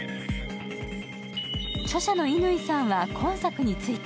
著者の乾さんは今作について